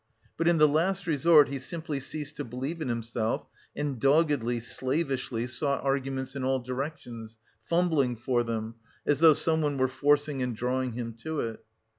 But in the last resort he simply ceased to believe in himself, and doggedly, slavishly sought arguments in all directions, fumbling for them, as though someone were forcing and drawing him to it.